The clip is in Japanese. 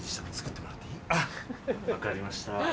あっ分かりました。